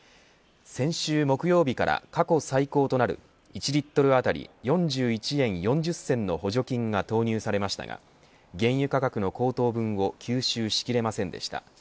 先週木曜日から過去最高となる１リットル当たり４１円４０銭の補助金が投入されましたが原油価格の高騰分を吸収しきれませんでした。